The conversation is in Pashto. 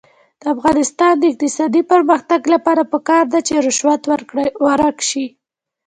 د افغانستان د اقتصادي پرمختګ لپاره پکار ده چې رشوت ورک شي.